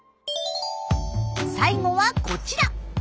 最後はこちら。